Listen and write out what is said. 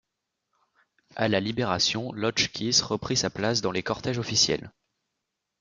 À la Libération, l'Hotchkiss reprit sa place dans les cortèges officiels.